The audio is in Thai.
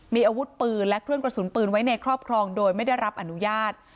มีอาวุธปืนและเครื่องกระสุนปืนไว้ในครอบครองโดยไม่ได้รับอนุญาต